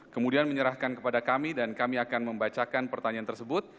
kemudian menyerahkan kepada kami dan kami akan membacakan pertanyaan tersebut